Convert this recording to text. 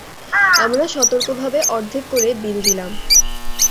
আমরা সতর্কভাবে অর্ধেক করে বিল দিলাম।